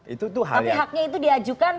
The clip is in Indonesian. itu tuh hal yang tapi haknya itu diajukan